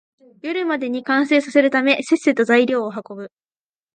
夜までに完成させるため、せっせと材料を運ぶ